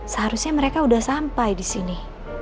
seharusnya mereka udah sampai disini